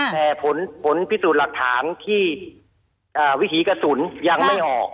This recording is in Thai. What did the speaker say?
แต่ผลพิสูจน์หลักฐานที่วิถีกระสุนยังไม่ออก